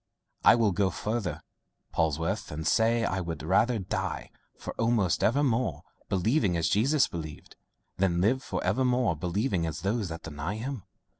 I will go further, Polwarth, and say, I would rather die for evermore believing as Jesus believed, than live for evermore believing as those that deny him.